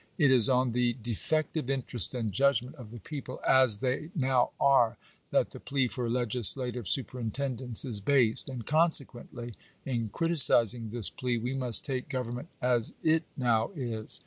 It is on the defective " interest and judgment" of the people, as they now are, that the plea for legislative superintendence is based ; and, consequently, in criticising this plea we must take government as it now is.